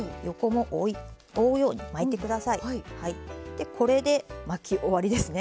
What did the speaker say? でこれで巻き終わりですね。